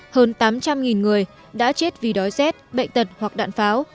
hơn tám trăm linh người đã chết vì đói rét bệnh tật hoặc đạn pháo